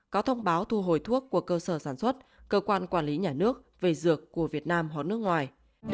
có thông báo thu hồi thuốc của cơ sở sản xuất cơ quan quản lý nhà nước về dược của việt nam hoặc nước ngoài